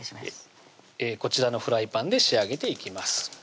こちらのフライパンで仕上げていきます